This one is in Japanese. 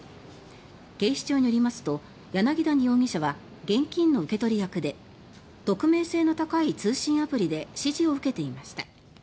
警視庁によりますと柳谷容疑者は現金の受け取り役で匿名性の高い通信アプリで指示を受けていました。